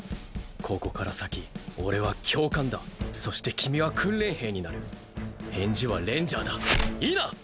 ここから先俺は教官だそして君は訓練兵になる返事はレンジャーだいいな？